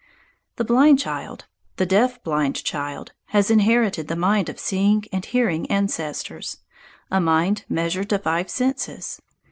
The blind child the deaf blind child has inherited the mind of seeing and hearing ancestors a mind measured to five senses.